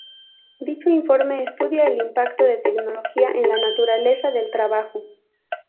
Dicho informe estudia el impacto de la tecnología en la naturaleza del trabajo.